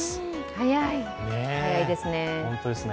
早い早いですね。